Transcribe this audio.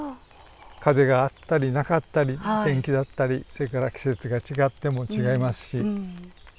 風があったりなかったり天気だったりそれから季節が違っても違いますしま